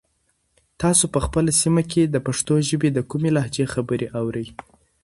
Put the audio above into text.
تاسو په خپله سیمه کې د پښتو ژبې د کومې لهجې خبرې اورئ؟